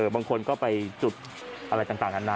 บางคนก็ไปจุดอะไรต่างนานา